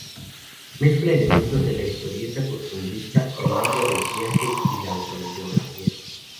Mezcla elementos de la historieta costumbrista, el libro de viaje y la autobiografía.